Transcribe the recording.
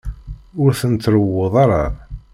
Ur ten-tṛewwuḍ ara.